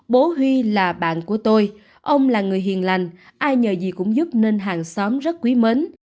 bố huy là bạn của tôi ông là người hiền lành ai nhờ gì cũng giúp nên hàng xóm rất quý mến